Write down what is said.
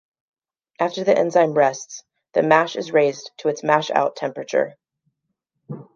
After the enzyme rests, the mash is raised to its mash-out temperature.